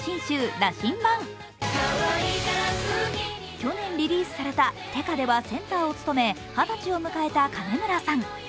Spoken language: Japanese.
去年リリースされた「ってか」ではセンターを務め二十歳を迎えた金村さん。